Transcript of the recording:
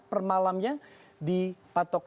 per malamnya dipatok